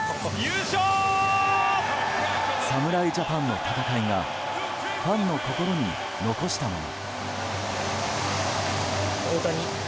侍ジャパンの闘いがファンの心に残したもの。